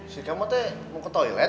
skemotnya mau ke toilet